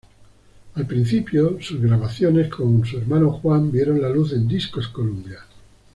Al Principio, sus grabaciones con su hermano Juan vieron la luz en discos Columbia.